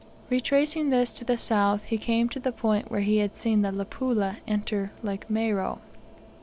Retracing this to the south, he came to the point where he had seen the Luapula enter Lake Moero.